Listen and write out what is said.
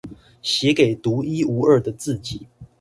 寫給獨一無二的自己